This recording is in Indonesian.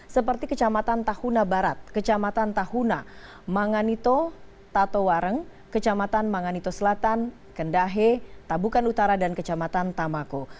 seperti kecamatan tahuna barat kecamatan tahuna manganito tatowareng kecamatan manganito selatan kendahe tabukan utara dan kecamatan tamako